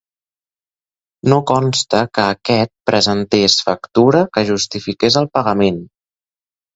No consta que aquest presentés factura que justifiqués el pagament.